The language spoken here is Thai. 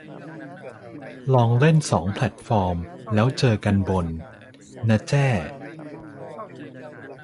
ลองเล่นสองแพลตฟอร์มแล้วเจอกันบน นะแจ้